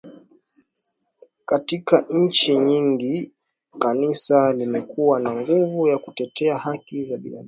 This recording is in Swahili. Katika nchi nyingi Kanisa limekuwa na nguvu ya kutetea haki za binadamu